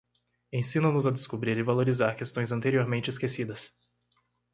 Ensina-nos a descobrir e valorizar questões anteriormente esquecidas.